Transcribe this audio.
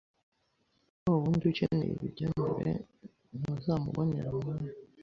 wawundi ukeneye ibijya mbere ntuzamub onera umwanya.